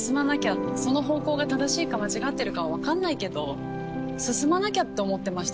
その方向が正しいか間違ってるかは分かんないけど進まなきゃって思ってました